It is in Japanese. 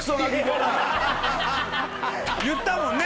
言ったもんね？